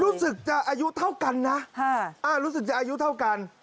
รู้สึกจะอายุเท่ากันนะรู้สึกจะอายุเท่ากัน